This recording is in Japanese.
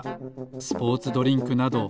スポーツドリンクなど。